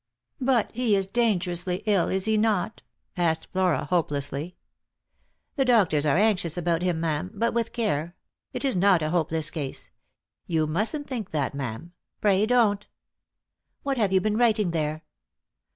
" But he is dangerously ill, is he not ?" asked Flora hope lessly. " The doctors are anxious about him, ma'am ; but with care It is not a hopeless case. You mustn't think that, ma'am. Pray don't !"" What have you been writing there?